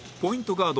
ガード